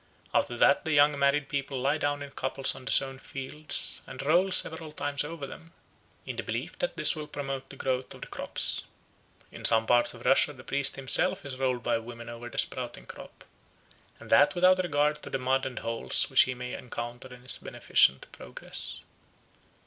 After that the young married people lie down in couples on the sown fields and roll several times over on them, in the belief that this will promote the growth of the crops. In some parts of Russia the priest himself is rolled by women over the sprouting crop, and that without regard to the mud and holes which he may encounter in his beneficent progress.